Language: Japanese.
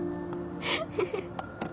フフフ。